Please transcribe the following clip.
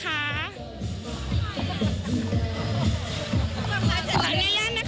ข้างในย่านนะคะสวัสดีค่ะพี่ป่อสวัสดีค่ะ